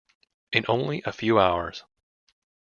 In only a few hours.